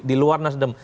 di luar nasdem